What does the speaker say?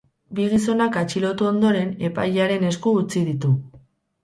Bi gizonak atxilotu ondoren, epailearen esku utzi ditu.